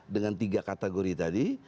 dengan tiga kategori tadi